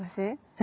え⁉